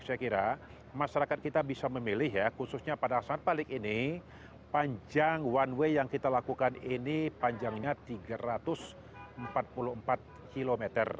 saya kira masyarakat kita bisa memilih ya khususnya pada saat balik ini panjang one way yang kita lakukan ini panjangnya tiga ratus empat puluh empat km